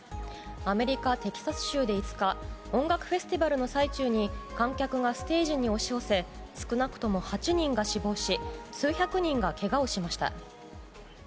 アメリカ・テキサス州で５日音楽フェスティバルの最中に観客がステージに押し寄せ少なくとも８人が死亡し数百人がけがをしました。